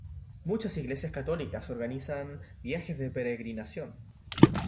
Muchas iglesias católicas organizan viajes de peregrinación.